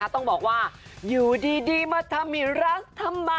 ต้องบอกว่าอยู่ดีมาทำให้รักทำไม